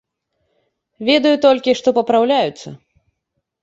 Ведаю толькі, што папраўляюцца.